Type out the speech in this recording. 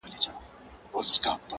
نسته له میرو سره کیسې د سوي میني!.